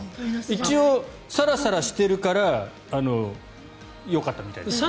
一応、サラサラしているからよかったみたいです。